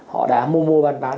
họ đã mua mua bán bán